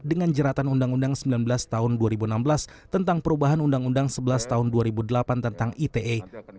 dengan jeratan undang undang sembilan belas tahun dua ribu enam belas tentang perubahan undang undang sebelas tahun dua ribu delapan tentang ite